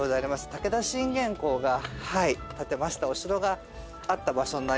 武田信玄公が建てましたお城があった場所になりますので。